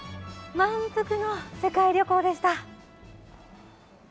満腹の世界旅行でした。